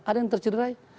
ada yang tercederai